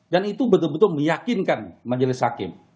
dan itu betul betul meyakinkan majelis hakim